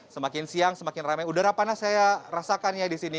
semakin siang semakin ramai udara panas saya rasakannya di sini